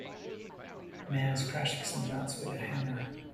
Man is crashing some nuts with a hammer.